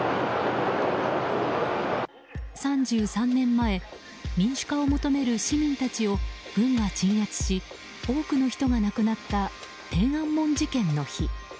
３３年前、民主化を求める市民たちを軍が鎮圧し多くの人が亡くなった天安門事件の日。